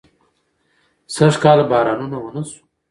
سږکال بارانونه ونه شو